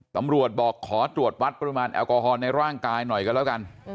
ตำรวจบอกขอตรวจวัดปริมาณแอลกอฮอลในร่างกายหน่อยกันแล้วกัน